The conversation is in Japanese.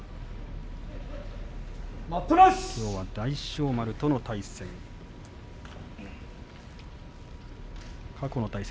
きょうは大翔丸との対戦。